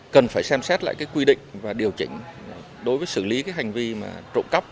cần phải xem xét lại quy định và điều chỉnh đối với xử lý hành vi trộm cắp